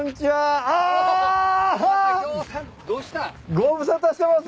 ご無沙汰してます。